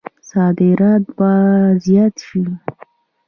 صادرات به زیات شي؟